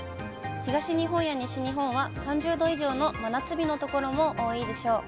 東日本や西日本は３０度以上の真夏日の所も多いでしょう。